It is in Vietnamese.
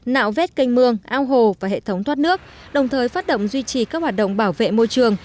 nạo vét canh mương ao hồ và hệ thống thoát nước đồng thời phát động duy trì các hoạt động bảo vệ môi trường